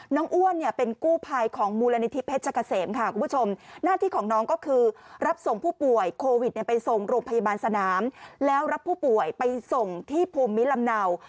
อ้วนเนี่ยเป็นกู้ภัยของมูลนิธิเพชรเกษมค่ะคุณผู้ชมหน้าที่ของน้องก็คือรับส่งผู้ป่วยโควิดไปส่งโรงพยาบาลสนามแล้วรับผู้ป่วยไปส่งที่ภูมิลำเนา